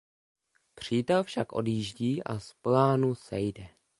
Přítel však odjíždí a z plánu sejde.